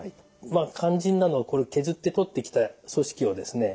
まあ肝心なのは削って採ってきた組織をですね